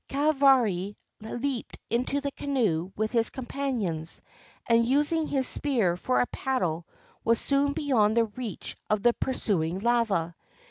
Kahavari leaped into the canoe with his companions, and, using his spear for a paddle, was soon beyond the reach of the pursuing lava.